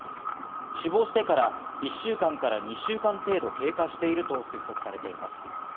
死亡してから１週間から２週間程度、経過していると推測されています。